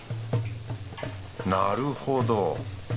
なるほど